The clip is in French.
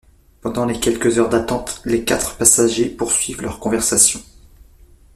Pendant les quelques heures d'attente, les quatre passagers poursuivent leur conversation.